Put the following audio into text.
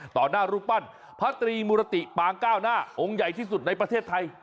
ต่อหน้ารูปปั้นพระตรีมุรติปางเก้าหน้าองค์ใหญ่ที่สุดในประเทศไทย